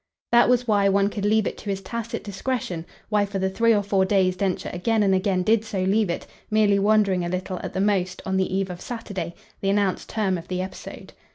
That was why one could leave it to his tacit discretion, why for the three or four days Densher again and again did so leave it; merely wondering a little, at the most, on the eve of Saturday, the announced term of the episode.